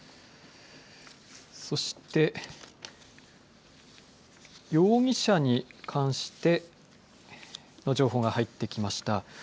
そして容疑者に関して情報が入ってきました。